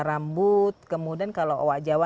rambut kemudian kalau owak jawa